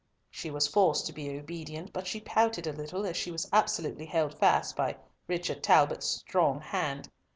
She was forced to be obedient, but she pouted a little as she was absolutely held fast by Richard Talbot's strong hand.